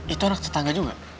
itu anak ketangga juga